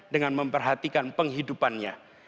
dengan memperhatikan penghidupannya